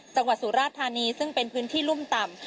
จังหวัดสุราธานีซึ่งเป็นพื้นที่รุ่มต่ำ